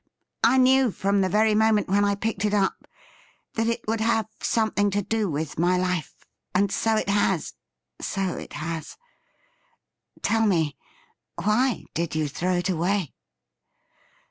I knew from the very moment when I picked it up that it would have something to do with my life, and so it has — so it has. Tell me : why did you throw it away